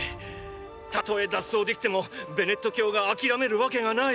たとえ脱走できてもベネット教が諦めるわけがない。